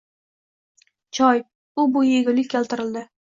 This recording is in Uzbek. Choy, u-bu yegulik keltirildi